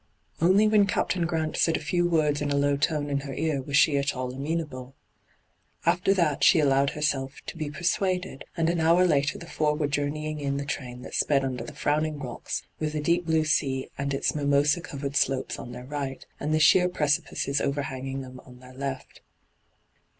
Only when Captain Grant said a few words in a low tone in her ear was she at all amenable. After that she allowed herself to hyGoogIc 1 86 ENTRAPPED be persuaded, and an hour later the foor were joomeying in the train that sped under the frowning rocks, with the deep blue sea and its mimosa covered slopes on their right, and the sheer precipices overhanging them on their left.